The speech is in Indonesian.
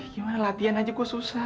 gimana latihan aja kok susah